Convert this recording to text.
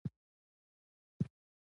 له دې لیک سره مل تاسو ته درلیږل کیږي